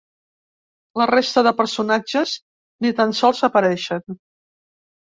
La resta de personatges ni tan sols apareixen.